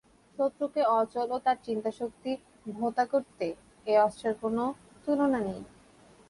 শত্রুকে অচল ও তার চিন্তাশক্তি ভোঁতা করতে এ অস্ত্রের কোন তুলনা নেই।